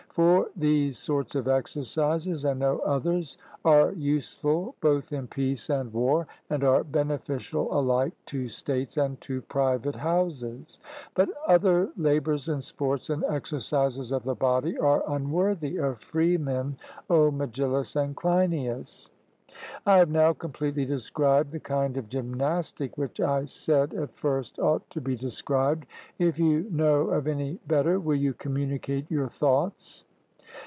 For these sorts of exercises, and no others, are useful both in peace and war, and are beneficial alike to states and to private houses. But other labours and sports and exercises of the body are unworthy of freemen, O Megillus and Cleinias. I have now completely described the kind of gymnastic which I said at first ought to be described; if you know of any better, will you communicate your thoughts?